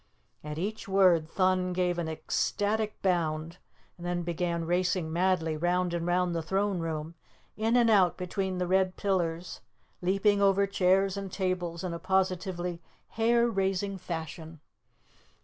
At each word Thun gave an ecstatic bound and then began racing madly round and round the throne room, in and out between the red pillars, leaping over chairs and tables in a positively hair raising fashion.